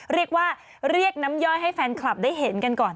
เรียกว่าเรียกน้ำย่อยให้แฟนคลับได้เห็นกันก่อน